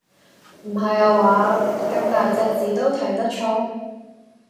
唔係下話，咁大隻字都睇得錯？